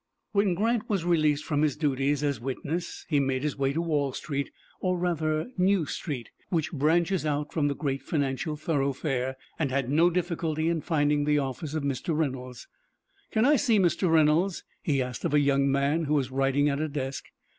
When Grant was released from his duties as witness, he made his way to Wall Street, or rather New Street, which branches out from the great financial thoroughfare, and had no difficulty in finding the office of Mr. Reynolds. "Can I see Mr. Reynolds?" he asked of a young man, who was writing at a desk.